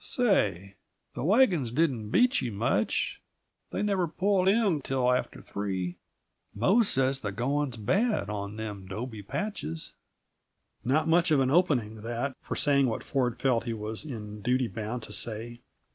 Say, the wagons didn't beat you much; they never pulled in till after three. Mose says the going's bad, on them dobe patches." Not much of an opening, that, for saying what Ford felt he was in duty bound to say.